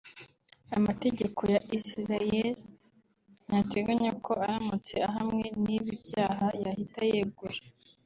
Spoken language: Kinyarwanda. Amategeko ya Israel ntateganya ko aramutse ahamwe n’ibi byaha yahita yegura